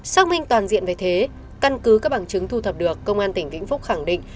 xác minh toàn diện về thế căn cứ các bằng chứng thu thập được công an tỉnh vĩnh phúc khẳng định